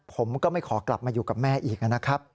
ผมก็ไม่ขอกลับมาอยู่กับแม่อีกนะครับ